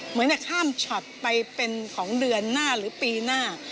เหมือนจะข้ามช็อตไปเป็นของเดือนหน้าหรือปีหน้า